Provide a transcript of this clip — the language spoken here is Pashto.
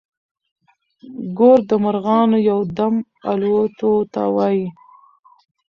ګور د مرغانو يو دم الوتو ته وايي.